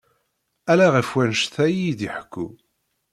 Ala ɣef wannect-a iyi-d-iḥekku.